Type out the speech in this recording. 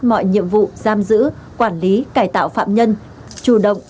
mọi nhiệm vụ giam giữ quản lý cải tạo phạm nhân chủ động